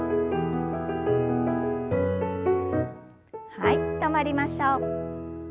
はい止まりましょう。